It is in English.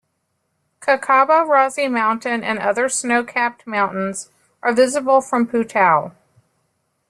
Hkakabo Razi Mountain and other snow-capped mountains are visible from Putao.